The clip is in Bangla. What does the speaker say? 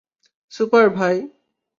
সুপার, ভাই।